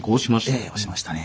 ええ押しましたね。